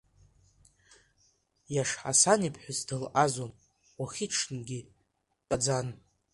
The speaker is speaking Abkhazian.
Иаш Ҳасан иԥҳәыс дылҟазон, уахи-ҽнигьы дтәаӡан.